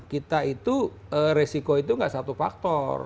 kita itu resiko itu nggak satu faktor